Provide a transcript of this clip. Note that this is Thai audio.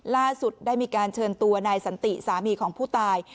ล่าสุดได้มีการเชิญตัวนายสันติสามีของผู้ตาย